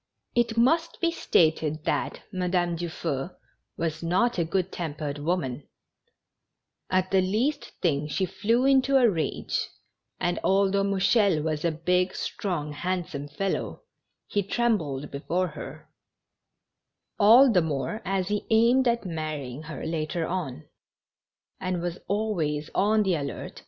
It must be stated that Madame Dufeu w'^as not a good tempered woman ; at the least thing she flew into a rage, and although Mouchel was a big, strong, handsome fel low, he trembled before her — all the more as he aimed at marrying her later on — and was always on the alert 234 GENERAL HAPPINESS.